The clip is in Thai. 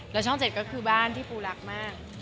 แล้วช่อง๗ก็คือบ้านที่ปูรักมาก